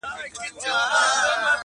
پورته تللې ده,